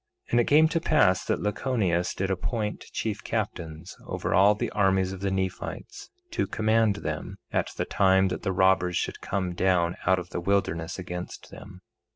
3:17 And it came to pass that Lachoneus did appoint chief captains over all the armies of the Nephites, to command them at the time that the robbers should come down out of the wilderness against them.